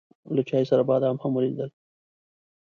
له چای سره بادام هم وليدل.